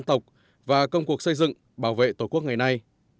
dân tộc và công cuộc xây dựng bảo vệ tổ quốc ngày nay